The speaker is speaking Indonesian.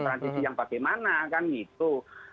transisi yang bagaimana kan gitu